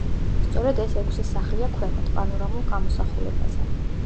სწორედ ეს ექვსი სახლია ქვემოთ, პანორამულ გამოსახულებაზე.